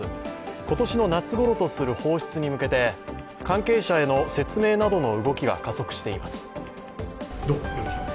今年の夏ごろとする放出に向けて関係者への説明などの動きが加速しています。